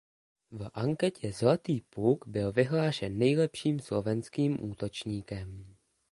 V anketě Zlatý puk byl vyhlášen nejlepším slovenským útočníkem.